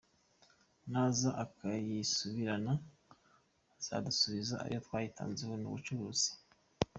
Naza akayisubirana azadusubiza ayo twayitanzeho, ni ubucuruzi.